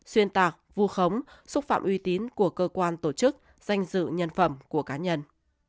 xuyên tạc vu khống xúc phạm uy tín của cơ quan tổ chức danh dự nhân phẩm của cá nhân